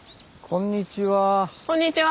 こんにちは。